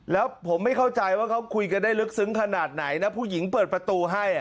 แล้วผมไม่เข้าใจว่าเขาคุยกันได้ลึกซึ้งขนาดไหนนะผู้หญิงเปิดประตูให้